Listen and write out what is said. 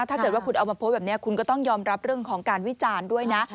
ถ้าเกิดว่าคุณเอามาโพสต์แบบนี้คุณก็ต้องยอมรับเรื่องของการวิจารณ์ด้วยนะ